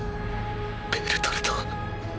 ベルトルト。